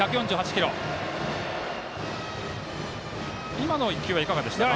今の１球はいかがですか？